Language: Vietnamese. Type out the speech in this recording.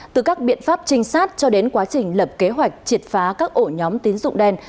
từ các biện pháp trinh sát cho đến quá trình lập kế hoạch triệt phá các ổ nhóm tín dụng đen